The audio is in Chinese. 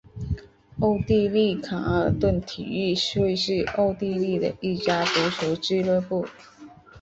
奥地利卡尔顿体育会是奥地利的一家足球俱乐部。